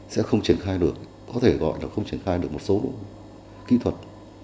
sẽ không triển khai được có thể gọi là không triển khai được một số kỹ thuật